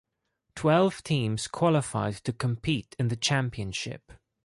Twelve teams qualified to compete in the championship.